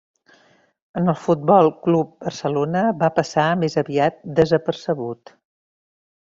En el Futbol Club Barcelona va passar més aviat desapercebut.